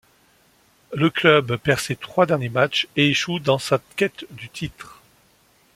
Le club perd ses trois derniers matchs et échoue dans sa quête du titre.